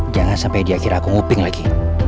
jangan sampai dia akhirnya aku nguping lagi